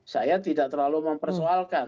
saya tidak terlalu mempersoalkan